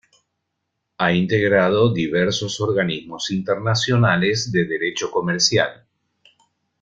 Ha integrado diversos organismos internacionales de derecho comercial.